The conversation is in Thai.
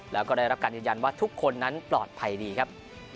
แล้วก็ได้รับการยืนยันว่าทุกคนนั้นปลอดภัยดีครับ